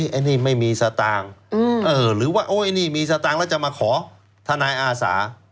อันนี้ไม่มีสตางค์หรือว่าโอ้ยนี่มีสตางค์แล้วจะมาขอทนายอาสา